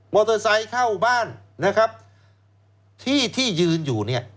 เตอร์ไซค์เข้าบ้านนะครับที่ที่ยืนอยู่เนี่ย